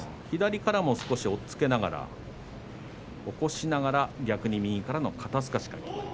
左からも少し押っつけながら、起こしながら逆に右からの肩すかし。